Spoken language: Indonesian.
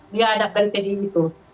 biadab dan keji itu